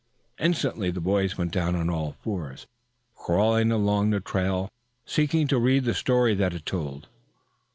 Instantly the boys went down on all fours, crawling along the trail seeking to read the story that it told.